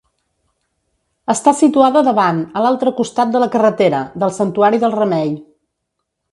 Està situada davant, a l'altre costat de la carretera, del Santuari del Remei.